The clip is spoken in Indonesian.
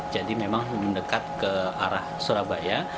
jadi memang mendekat ke arah surabaya